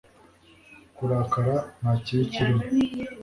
Kurakara nta kibi kirimo